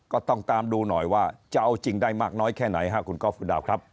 ก็ต้องตามดูหน่อยว่าจะเอาจริงได้มากน้อยแค่ไหนฮะคุณก๊อฟคุณดาวครับ